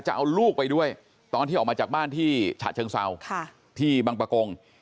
จะเอาลูกไปด้วยตอนที่ออกมาจากบ้านที่ฉะเชิงเศร้าที่บังปะกง